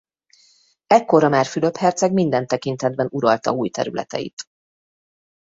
Ekkorra már Fülöp herceg minden tekintetben uralta új területeit.